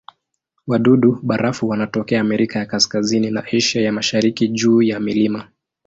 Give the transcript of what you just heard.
Wadudu-barafu wanatokea Amerika ya Kaskazini na Asia ya Mashariki juu ya milima.